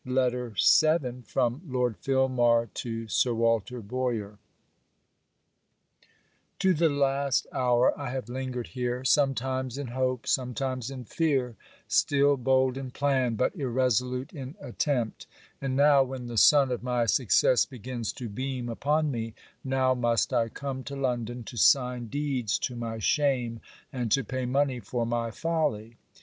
LETTER VII FROM LORD FILMAR TO SIR WALTER BOYER To the last hour I have lingered here, sometimes in hope, sometimes in fear, still bold in plan, but irresolute in attempt; and now, when the sun of my success begins to beam upon me, now must I come to London, to sign deeds to my shame and to pay money for my folly.